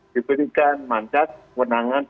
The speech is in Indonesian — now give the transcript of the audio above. diberikan mandat menangan